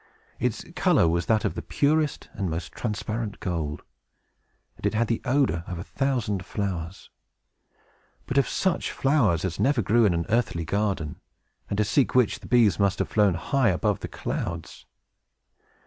Its color was that of the purest and most transparent gold; and it had the odor of a thousand flowers; but of such flowers as never grew in an earthly garden, and to seek which the bees must have flown high above the clouds.